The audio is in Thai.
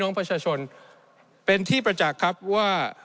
ในช่วงที่สุดในรอบ๑๖ปี